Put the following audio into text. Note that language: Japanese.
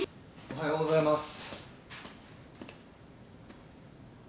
おはようございます。